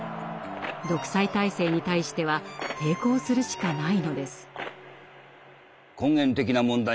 独裁体制に対しては抵抗するしかないのです。